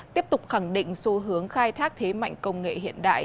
tiếp tục khẳng định xu hướng khai thác thế mạnh công nghệ hiện đại